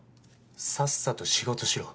さっさと仕事しろ。